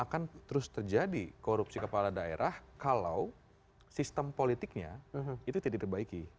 akan terus terjadi korupsi kepala daerah kalau sistem politiknya itu tidak diperbaiki